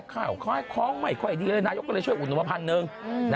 ข้าวของไม่ค่อยดีเลยนายกก็เลยช่วยอุดมพันธ์หนึ่ง